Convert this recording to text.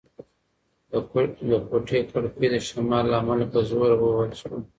د کوټې کړکۍ د شمال له امله په زوره ووهل شوه.